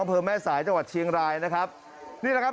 อำเภอแม่สายจังหวัดเชียงรายนะครับนี่แหละครับ